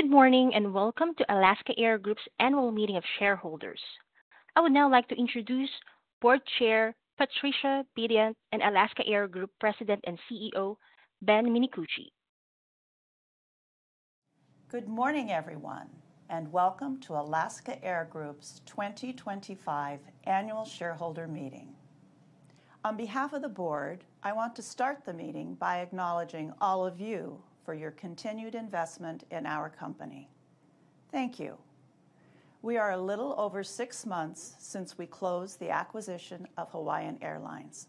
Good morning and welcome to Alaska Air Group's annual meeting of shareholders. I would now like to introduce Board Chair Patricia Bedient and Alaska Air Group President and CEO Ben Minicucci. Good morning, everyone, and welcome to Alaska Air Group's 2025 annual shareholder meeting. On behalf of the Board, I want to start the meeting by acknowledging all of you for your continued investment in our company. Thank you. We are a little over six months since we closed the acquisition of Hawaiian Airlines,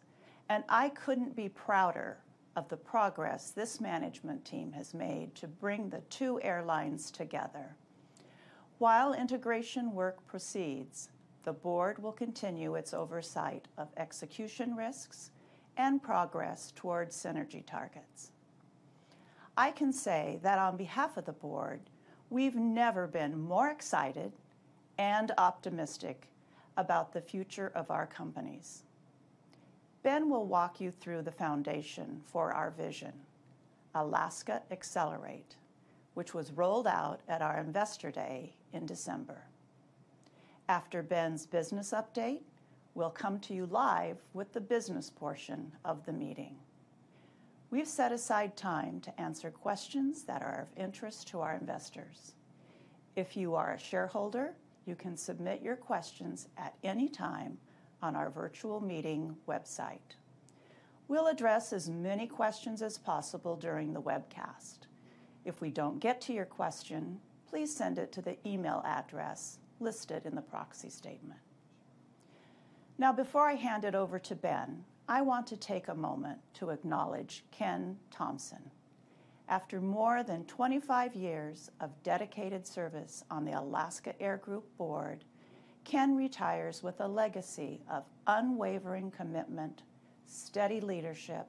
and I could not be prouder of the progress this management team has made to bring the two airlines together. While integration work proceeds, the Board will continue its oversight of execution risks and progress towards synergy targets. I can say that on behalf of the Board, we have never been more excited and optimistic about the future of our companies. Ben will walk you through the foundation for our vision, Alaska Accelerate, which was rolled out at our Investor Day in December. After Ben's business update, we will come to you live with the business portion of the meeting. We've set aside time to answer questions that are of interest to our investors. If you are a shareholder, you can submit your questions at any time on our virtual meeting website. We'll address as many questions as possible during the webcast. If we don't get to your question, please send it to the email address listed in the proxy statement. Now, before I hand it over to Ben, I want to take a moment to acknowledge Ken Thompson. After more than 25 years of dedicated service on the Alaska Air Group Board, Ken retires with a legacy of unwavering commitment, steady leadership,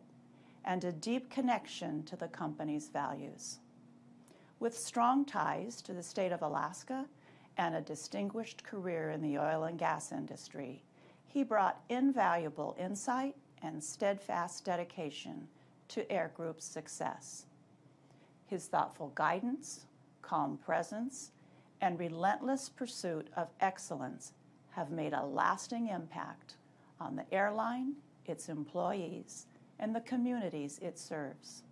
and a deep connection to the company's values. With strong ties to the state of Alaska and a distinguished career in the oil and gas industry, he brought invaluable insight and steadfast dedication to Air Group's success. His thoughtful guidance, calm presence, and relentless pursuit of excellence have made a lasting impact on the airline, its employees, and the communities it serves.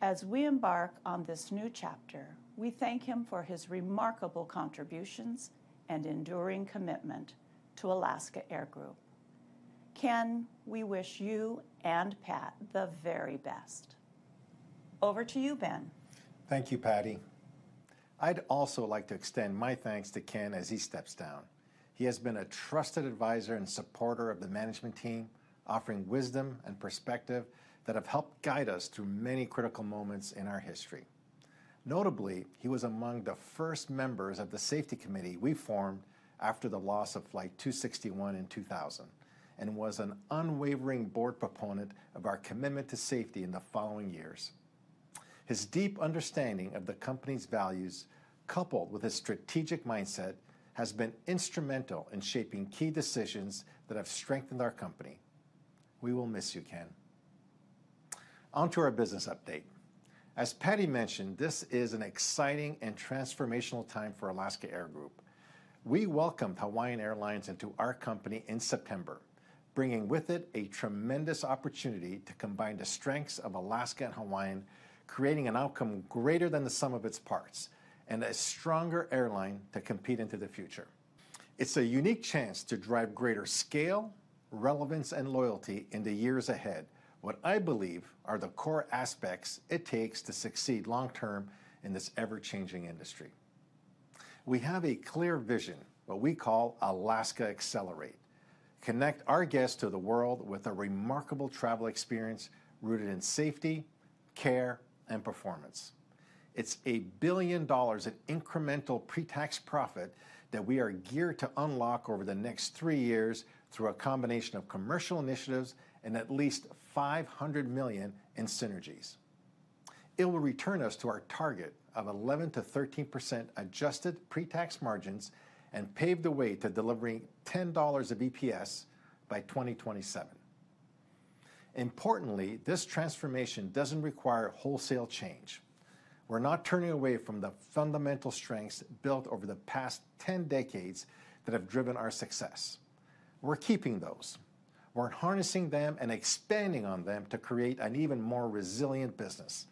As we embark on this new chapter, we thank him for his remarkable contributions and enduring commitment to Alaska Air Group. Ken, we wish you and Pat the very best. Over to you, Ben. Thank you, Patty. I'd also like to extend my thanks to Ken as he steps down. He has been a trusted advisor and supporter of the management team, offering wisdom and perspective that have helped guide us through many critical moments in our history. Notably, he was among the first members of the Safety Committee we formed after the loss of Flight 261 in 2000 and was an unwavering board proponent of our commitment to safety in the following years. His deep understanding of the company's values, coupled with his strategic mindset, has been instrumental in shaping key decisions that have strengthened our company. We will miss you, Ken. On to our business update. As Patty mentioned, this is an exciting and transformational time for Alaska Air Group. We welcomed Hawaiian Airlines into our company in September, bringing with it a tremendous opportunity to combine the strengths of Alaska and Hawaiian, creating an outcome greater than the sum of its parts and a stronger airline to compete into the future. It is a unique chance to drive greater scale, relevance, and loyalty in the years ahead, what I believe are the core aspects it takes to succeed long-term in this ever-changing industry. We have a clear vision, what we call Alaska Accelerate: connect our guests to the world with a remarkable travel experience rooted in safety, care, and performance. It is a billion dollars in incremental pre-tax profit that we are geared to unlock over the next three years through a combination of commercial initiatives and at least $500 million in synergies. It will return us to our target of 11%-13% adjusted pre-tax margins and pave the way to delivering $10 of EPS by 2027. Importantly, this transformation does not require wholesale change. We are not turning away from the fundamental strengths built over the past ten decades that have driven our success. We are keeping those. We are harnessing them and expanding on them to create an even more resilient business.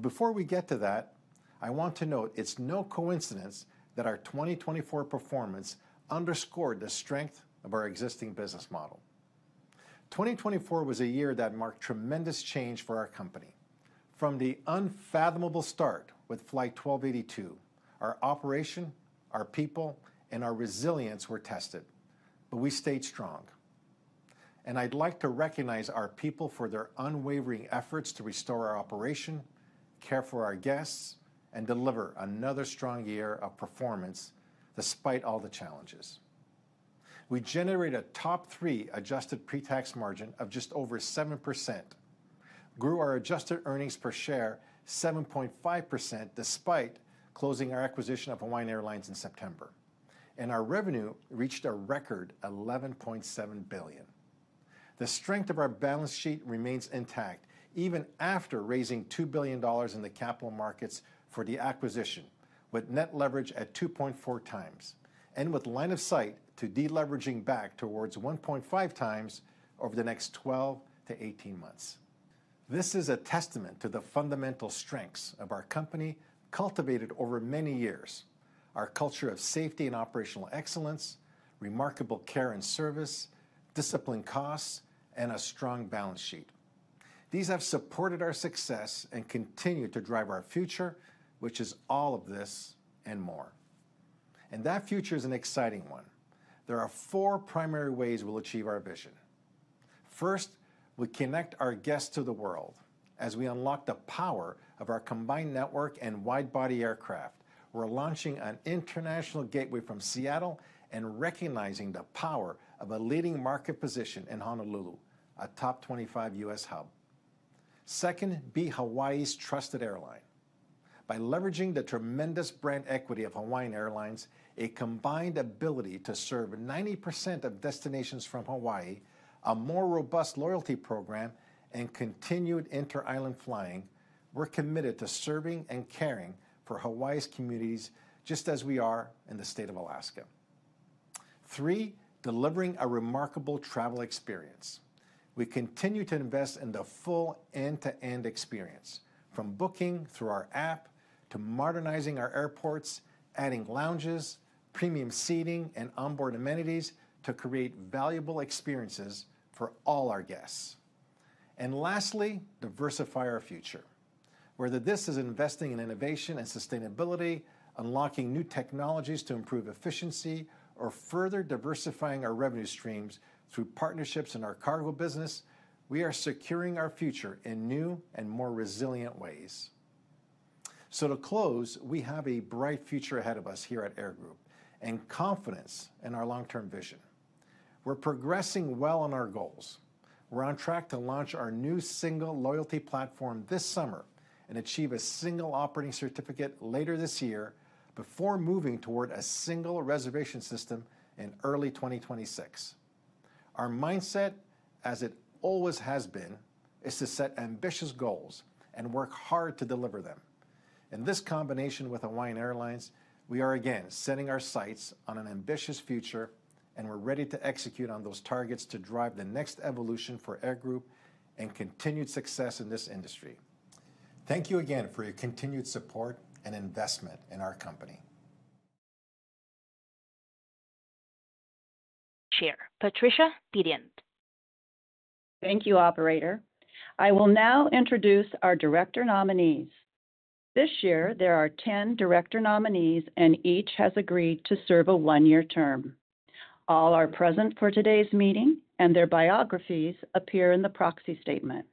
Before we get to that, I want to note it is no coincidence that our 2024 performance underscored the strength of our existing business model. 2024 was a year that marked tremendous change for our company. From the unfathomable start with Flight 1282, our operation, our people, and our resilience were tested, but we stayed strong. I would like to recognize our people for their unwavering efforts to restore our operation, care for our guests, and deliver another strong year of performance despite all the challenges. We generated a top-three adjusted pre-tax margin of just over 7%, grew our adjusted earnings per share 7.5% despite closing our acquisition of Hawaiian Airlines in September, and our revenue reached a record $11.7 billion. The strength of our balance sheet remains intact even after raising $2 billion in the capital markets for the acquisition, with net leverage at 2.4x, and with line of sight to deleveraging back towards 1.5x over the next 12 months-18 months. This is a testament to the fundamental strengths of our company cultivated over many years: our culture of safety and operational excellence, remarkable care and service, disciplined costs, and a strong balance sheet. These have supported our success and continue to drive our future, which is all of this and more. That future is an exciting one. There are four primary ways we'll achieve our vision. First, we connect our guests to the world. As we unlock the power of our combined network and wide-body aircraft, we're launching an international gateway from Seattle and recognizing the power of a leading market position in Honolulu, a top 25 U.S. hub. Second, be Hawaii's trusted airline. By leveraging the tremendous brand equity of Hawaiian Airlines, a combined ability to serve 90% of destinations from Hawaii, a more robust loyalty program, and continued inter-island flying, we're committed to serving and caring for Hawaii's communities just as we are in the state of Alaska. Three, delivering a remarkable travel experience. We continue to invest in the full end-to-end experience, from booking through our app to modernizing our airports, adding lounges, premium seating, and onboard amenities to create valuable experiences for all our guests. Lastly, diversify our future. Whether this is investing in innovation and sustainability, unlocking new technologies to improve efficiency, or further diversifying our revenue streams through partnerships in our cargo business, we are securing our future in new and more resilient ways. To close, we have a bright future ahead of us here at Air Group and confidence in our long-term vision. We're progressing well on our goals. We're on track to launch our new single loyalty platform this summer and achieve a single operating certificate later this year before moving toward a single reservation system in early 2026. Our mindset, as it always has been, is to set ambitious goals and work hard to deliver them. In this combination with Hawaiian Airlines, we are again setting our sights on an ambitious future, and we're ready to execute on those targets to drive the next evolution for Air Group and continued success in this industry. Thank you again for your continued support and investment in our company. Chair, Patricia Bedient. Thank you, Operator. I will now introduce our director nominees. This year, there are ten director nominees, and each has agreed to serve a one-year term. All are present for today's meeting, and their biographies appear in the proxy statement.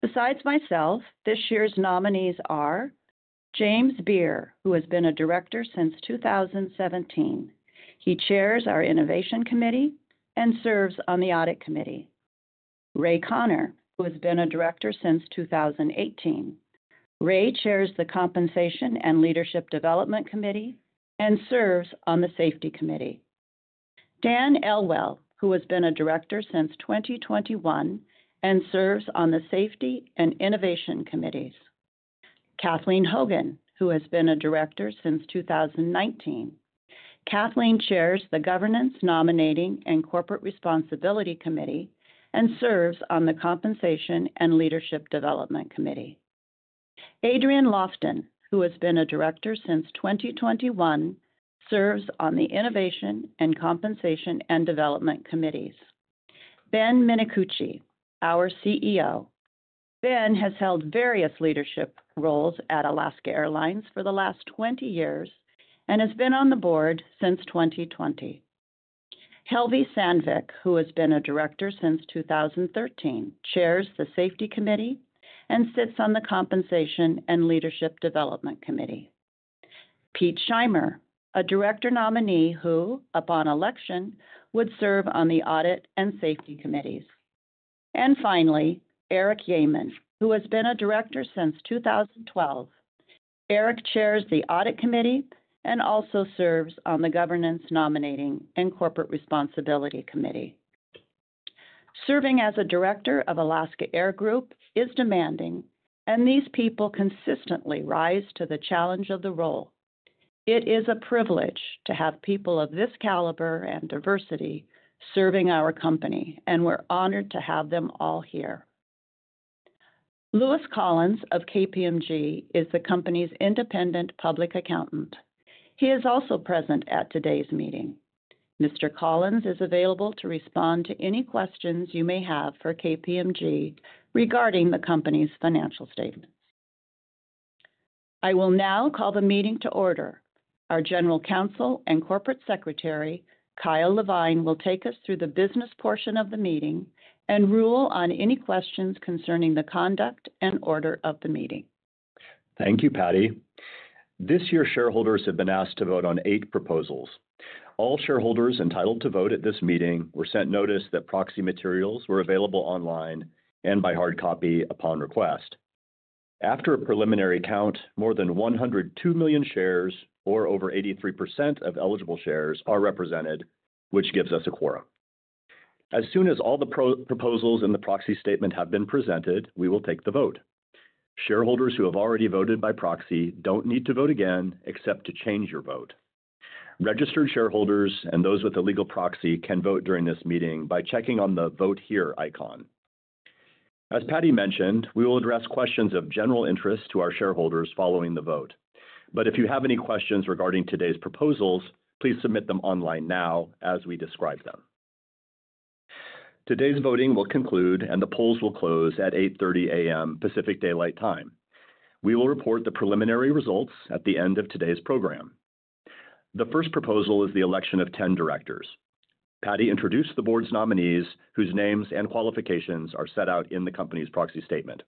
Besides myself, this year's nominees are James Beer, who has been a director since 2017. He chairs our Innovation Committee and serves on the Audit Committee. Ray Conner, who has been a director since 2018. Ray chairs the Compensation and Leadership Development Committee and serves on the Safety Committee. Dan Elwell, who has been a director since 2021 and serves on the Safety and Innovation Committees. Kathleen Hogan, who has been a director since 2019. Kathleen chairs the Governance, Nominating, and Corporate Responsibility Committee and serves on the Compensation and Leadership Development Committee. Adrienne Lofton, who has been a director since 2021, serves on the Innovation and Compensation and Development Committees. Ben Minicucci, our CEO. Ben has held various leadership roles at Alaska Airlines for the last 20 years and has been on the board since 2020. Helvi Sandvik, who has been a director since 2013, chairs the Safety Committee and sits on the Compensation and Leadership Development Committee. Pete Shimer, a director nominee who, upon election, would serve on the Audit and Safety Committees. Finally, Eric Yeaman, who has been a director since 2012. Eric chairs the Audit Committee and also serves on the Governance, Nominating, and Corporate Responsibility Committee. Serving as a director of Alaska Air Group is demanding, and these people consistently rise to the challenge of the role. It is a privilege to have people of this caliber and diversity serving our company, and we're honored to have them all here. Lewis Collins of KPMG is the company's independent public accountant. He is also present at today's meeting. Mr. Collins is available to respond to any questions you may have for KPMG regarding the company's financial statements. I will now call the meeting to order. Our General Counsel and Corporate Secretary, Kyle Levine, will take us through the business portion of the meeting and rule on any questions concerning the conduct and order of the meeting. Thank you, Patty. This year, shareholders have been asked to vote on eight proposals. All shareholders entitled to vote at this meeting were sent notice that proxy materials were available online and by hard copy upon request. After a preliminary count, more than 102 million shares, or over 83% of eligible shares, are represented, which gives us a quorum. As soon as all the proposals in the proxy statement have been presented, we will take the vote. Shareholders who have already voted by proxy do not need to vote again except to change your vote. Registered shareholders and those with a legal proxy can vote during this meeting by checking on the Vote Here icon. As Patty mentioned, we will address questions of general interest to our shareholders following the vote. If you have any questions regarding today's proposals, please submit them online now as we describe them. Today's voting will conclude, and the polls will close at 8:30 A.M. Pacific Daylight Time. We will report the preliminary results at the end of today's program. The first proposal is the election of ten directors. Patty introduced the board's nominees, whose names and qualifications are set out in the company's proxy statement.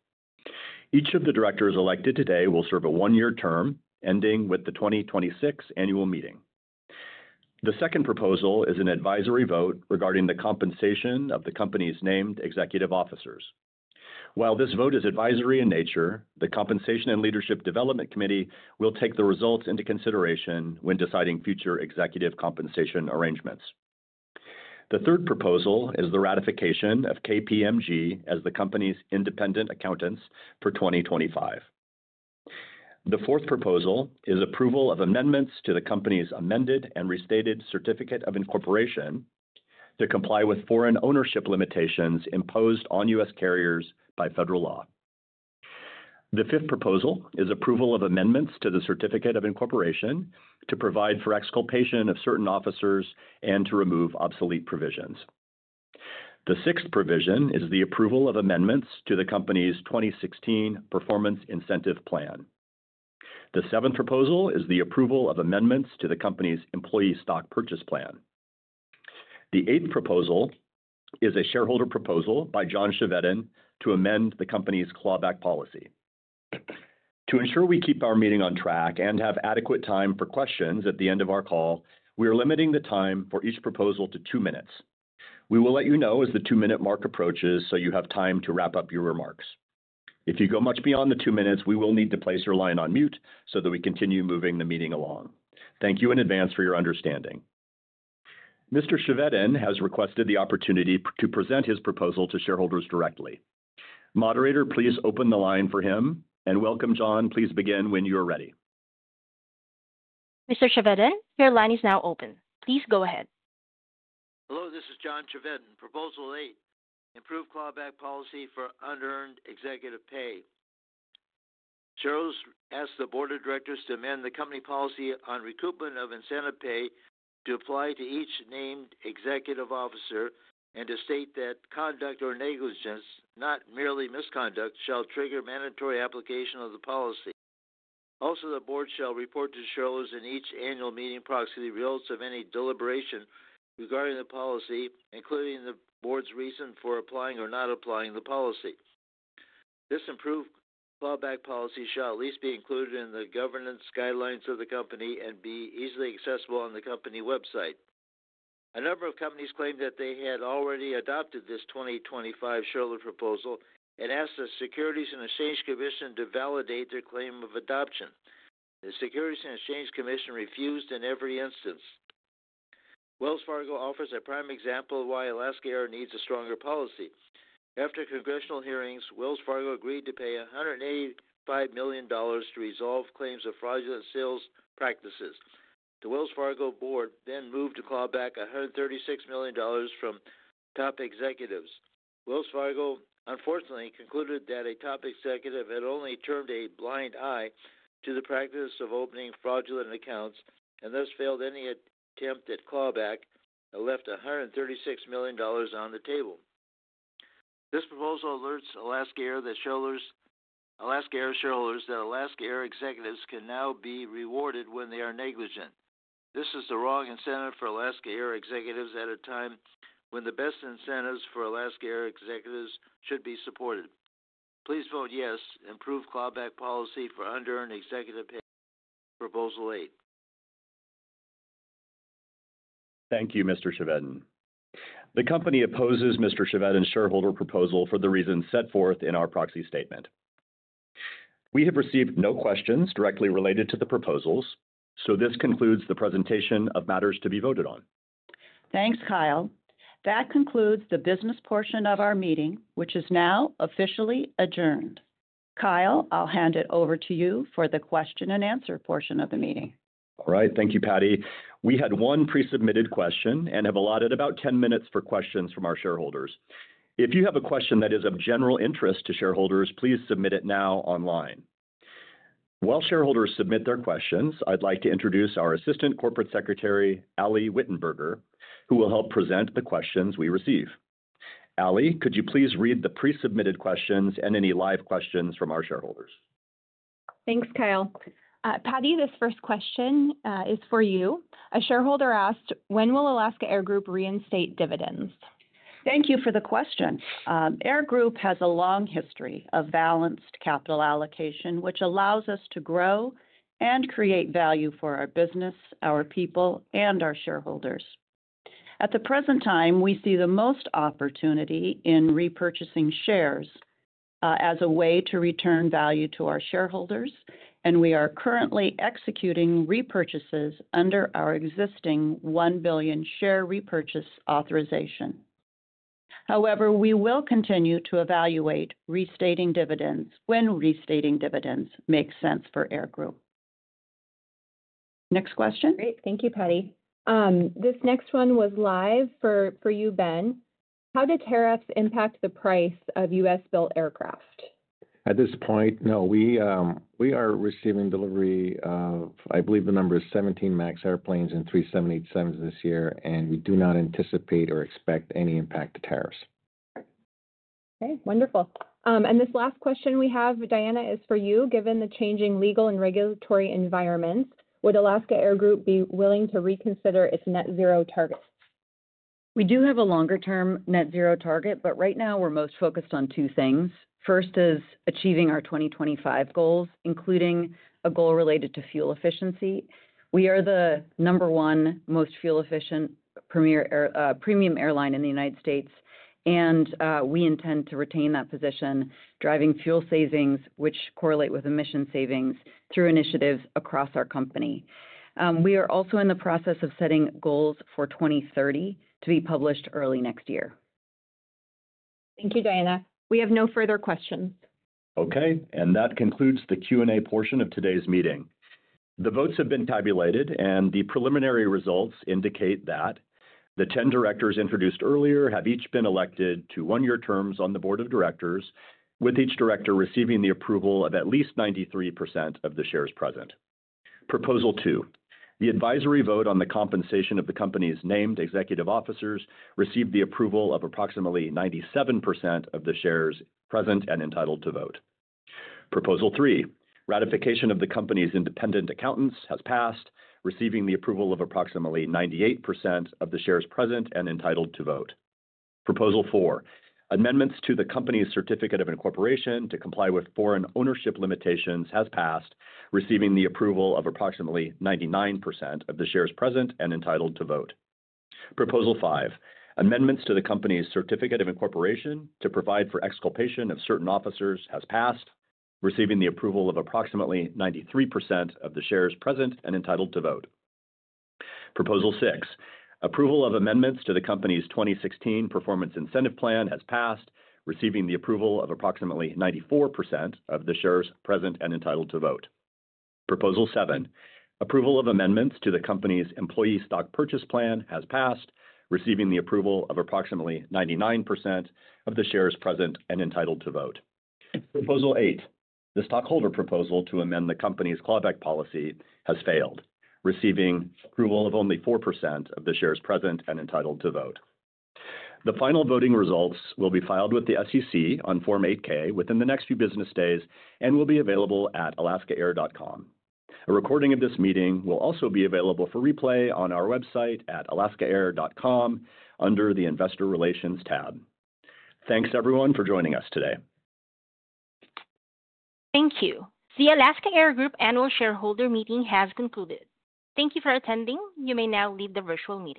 Each of the directors elected today will serve a one-year term ending with the 2026 annual meeting. The second proposal is an advisory vote regarding the compensation of the company's named executive officers. While this vote is advisory in nature, the Compensation and Leadership Development Committee will take the results into consideration when deciding future executive compensation arrangements. The third proposal is the ratification of KPMG as the company's independent accountants for 2025. The fourth proposal is approval of amendments to the company's amended and restated Certificate of Incorporation to comply with foreign ownership limitations imposed on U.S. carriers by federal law. The fifth proposal is approval of amendments to the Certificate of Incorporation to provide for exculpation of certain officers and to remove obsolete provisions. The sixth proposal is the approval of amendments to the company's 2016 Performance Incentive Plan. The seventh proposal is the approval of amendments to the company's Employee Stock Purchase Plan. The eighth proposal is a shareholder proposal by John Chevedden to amend the company's Clawback Policy. To ensure we keep our meeting on track and have adequate time for questions at the end of our call, we are limiting the time for each proposal to two minutes. We will let you know as the two-minute mark approaches so you have time to wrap up your remarks. If you go much beyond the two minutes, we will need to place your line on mute so that we continue moving the meeting along. Thank you in advance for your understanding. Mr. Chevedden has requested the opportunity to present his proposal to shareholders directly. Moderator, please open the line for him. Welcome, John. Please begin when you are ready. Mr. Chevedden, your line is now open. Please go ahead. Hello, this is John Chevedden. Proposal eight, improve Clawback Policy for unearned executive pay. Shareholders ask the board of directors to amend the company policy on recoupment of incentive pay to apply to each named executive officer and to state that conduct or negligence, not merely misconduct, shall trigger mandatory application of the policy. Also, the board shall report to shareholders in each annual meeting proxy the results of any deliberation regarding the policy, including the board's reason for applying or not applying the policy. This improved Clawback Policy shall at least be included in the governance guidelines of the company and be easily accessible on the company website. A number of companies claimed that they had already adopted this 2025 shareholder proposal and asked the Securities and Exchange Commission to validate their claim of adoption. The Securities and Exchange Commission refused in every instance. Wells Fargo offers a prime example of why Alaska Air needs a stronger policy. After congressional hearings, Wells Fargo agreed to pay $185 million to resolve claims of fraudulent sales practices. The Wells Fargo board then moved to claw back $136 million from top executives. Wells Fargo, unfortunately, concluded that a top executive had only turned a blind eye to the practice of opening fraudulent accounts and thus failed any attempt at clawback and left $136 million on the table. This proposal alerts Alaska Air shareholders that Alaska Air executives can now be rewarded when they are negligent. This is the wrong incentive for Alaska Air executives at a time when the best incentives for Alaska Air executives should be supported. Please vote yes, improve Clawback Policy for unearned executive pay. Proposal eight. Thank you, Mr. Chevedden. The company opposes Mr. Chevedden shareholder proposal for the reasons set forth in our proxy statement. We have received no questions directly related to the proposals, so this concludes the presentation of matters to be voted on. Thanks, Kyle. That concludes the business portion of our meeting, which is now officially adjourned. Kyle, I'll hand it over to you for the question and answer portion of the meeting. All right. Thank you, Patty. We had one pre-submitted question and have allotted about 10 minutes for questions from our shareholders. If you have a question that is of general interest to shareholders, please submit it now online. While shareholders submit their questions, I'd like to introduce our Assistant Corporate Secretary, Ali Wittenberger, who will help present the questions we receive. Ali, could you please read the pre-submitted questions and any live questions from our shareholders? Thanks, Kyle. Patty, this first question is for you. A shareholder asked, when will Alaska Air Group reinstate dividends? Thank you for the question. Air Group has a long history of balanced capital allocation, which allows us to grow and create value for our business, our people, and our shareholders. At the present time, we see the most opportunity in repurchasing shares as a way to return value to our shareholders, and we are currently executing repurchases under our existing $1 billion share repurchase authorization. However, we will continue to evaluate restating dividends when restating dividends make sense for Air Group. Next question. Great. Thank you, Patty. This next one was live for you, Ben. How did tariffs impact the price of U.S.-built aircraft? At this point, no. We are receiving delivery of, I believe the number is 17 MAX airplanes and 3 787s this year, and we do not anticipate or expect any impact to tariffs. Okay. Wonderful. This last question we have, Diana, is for you. Given the changing legal and regulatory environments, would Alaska Air Group be willing to reconsider its net-zero target? We do have a longer-term net-zero target, but right now we're most focused on two things. First is achieving our 2025 goals, including a goal related to fuel efficiency. We are the number one most fuel-efficient premium airline in the U.S., and we intend to retain that position, driving fuel savings, which correlate with emission savings through initiatives across our company. We are also in the process of setting goals for 2030 to be published early next year. Thank you, Diana. We have no further questions. Okay. That concludes the Q&A portion of today's meeting. The votes have been tabulated, and the preliminary results indicate that the ten directors introduced earlier have each been elected to one-year terms on the board of directors, with each director receiving the approval of at least 93% of the shares present. Proposal two, the advisory vote on the compensation of the company's named executive officers, received the approval of approximately 97% of the shares present and entitled to vote. Proposal three, ratification of the company's independent accountants, has passed, receiving the approval of approximately 98% of the shares present and entitled to vote. Proposal four, amendments to the company's Certificate of Incorporation to comply with foreign ownership limitations, has passed, receiving the approval of approximately 99% of the shares present and entitled to vote. Proposal five, amendments to the company's Certificate of Incorporation to provide for exculpation of certain officers has passed, receiving the approval of approximately 93% of the shares present and entitled to vote. Proposal six, approval of amendments to the company's 2016 Performance Incentive Plan has passed, receiving the approval of approximately 94% of the shares present and entitled to vote. Proposal seven, approval of amendments to the company's Employee Stock Purchase Plan has passed, receiving the approval of approximately 99% of the shares present and entitled to vote. Proposal eight, the stockholder proposal to amend the company's Clawback Policy has failed, receiving approval of only 4% of the shares present and entitled to vote. The final voting results will be filed with the SEC on Form 8-K within the next few business days and will be available at alaskaair.com. A recording of this meeting will also be available for replay on our website at alaskaair.com under the Investor Relations tab. Thanks, everyone, for joining us today. Thank you. The Alaska Air Group Annual Shareholder Meeting has concluded. Thank you for attending. You may now leave the virtual meeting.